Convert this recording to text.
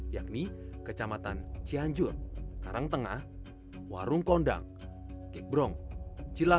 yakni kecamatan cianjur karangtengah warung kondang kekbrong cilaku cibeber sukaresmi bojong picung cikalongkulon sukaluyu pacet dan lapang